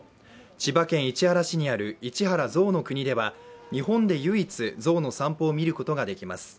千葉県市原市にある市原ぞうの国では日本で唯一、ゾウの散歩を見ることができます。